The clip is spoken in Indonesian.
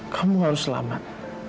kamu harus selamat